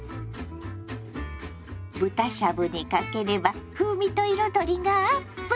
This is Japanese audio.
豚しゃぶにかければ風味と彩りがアップ。